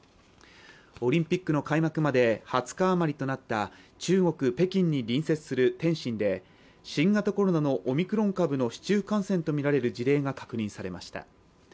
オリンピックの開幕まで２０日あまりとなった中国・北京に隣接する天津で新型コロナのオミクロン株の市中感染とみられる事例が確認されました。